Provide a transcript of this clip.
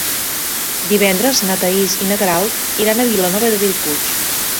Divendres na Thaís i na Queralt iran a Vilanova de Bellpuig.